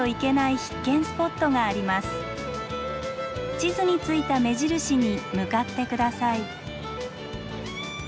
地図についた目印に向かってください。